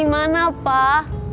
tidak tahul pak